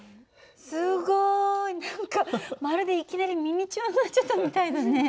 すごい！何かまるでいきなりミニチュアになっちゃったみたいだね。